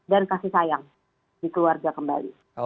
dan kasih sayang di keluarga kembali